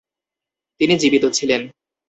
তিনি জীবিত ছিলেন।